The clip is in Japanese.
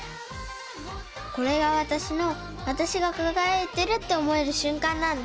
これがわたしのわたしがかがやいてるって思えるしゅんかんなんだ！